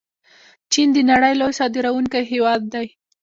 چین د نړۍ لوی صادروونکی هیواد دی.